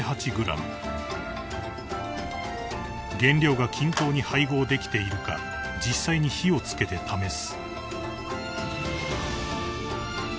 ［原料が均等に配合できているか実際に火を付けて試す］